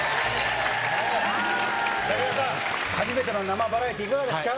武田さん、初めての生バラエティーいかがですか？